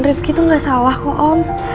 diefky itu nggak salah kok om